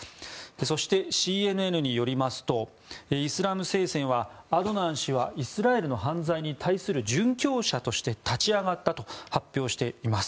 そして、ＣＮＮによりますとイスラム聖戦はアドナン氏はイスラエルの犯罪に対する殉教者として立ち上がったと発表しています。